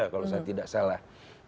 kalau saya tidak salah